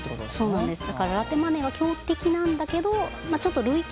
そうなんです。